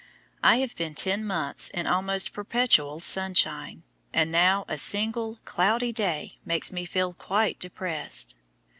I have been ten months in almost perpetual sunshine, and now a single cloudy day makes me feel quite depressed.